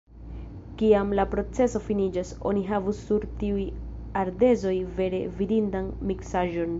Kiam la proceso finiĝos, oni havos sur tiuj ardezoj vere vidindan miksaĵon!